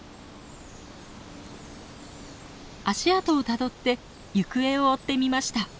足跡をたどって行方を追ってみました。